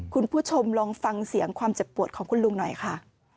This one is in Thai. คุณผู้ชมลองฟังเสียงความเจ็บปวดของคุณลุงหน่อยค่ะ